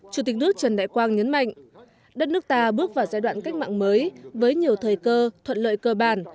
chủ tịch nước trần đại quang nhấn mạnh đất nước ta bước vào giai đoạn cách mạng mới với nhiều thời cơ thuận lợi cơ bản